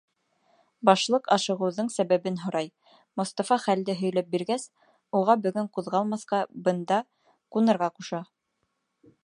Башлыҡ ашығыуҙың сәбәбен һорай, Мостафа хәлде һөйләп биргәс, уға бөгөн ҡуҙғалмаҫҡа, бында ҡунырға ҡуша.